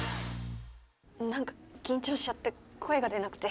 何か緊張しちゃって声が出なくて。